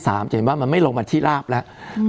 จะเห็นว่ามันไม่ลงมาที่ราบแล้ว